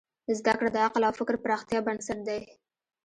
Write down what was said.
زدهکړه د عقل او فکر پراختیا بنسټ دی.